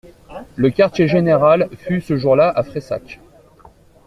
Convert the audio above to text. Le quartier-général fut, ce jour-là, à Freisack.